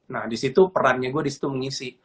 nah disitu perannya gue disitu mengisi